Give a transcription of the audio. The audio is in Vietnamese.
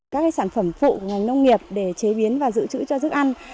các sản phẩm phụ của ngành nông nghiệp để chế biến và dự trữ cho thức ăn